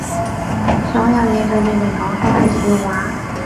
所有嘢對你嚟講都係笑話